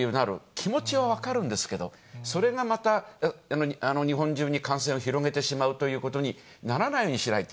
気持ちは分かるんですけど、それがまた日本中に感染を広げてしまうということにならないようにしないと。